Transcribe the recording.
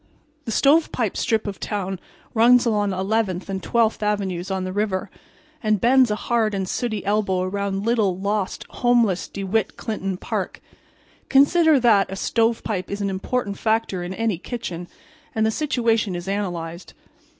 The "Stovepipe" strip of town runs along Eleventh and Twelfth avenues on the river, and bends a hard and sooty elbow around little, lost homeless DeWitt Clinton park. Consider that a stovepipe is an important factor in any kitchen and the situation is analyzed.